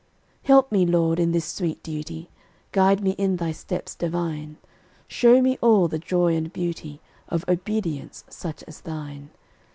Help me, Lord, in this sweet duty; Guide me in Thy steps divine; Show me all the joy and beauty Of obedience such as thine.